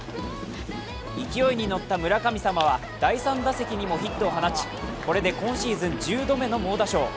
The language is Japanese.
勢いに乗った村神様は第３打席にもヒットを放ちこれで今シーズン１０打目の猛打賞。